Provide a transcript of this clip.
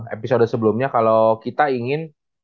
episode sebelumnya kalau kita ingin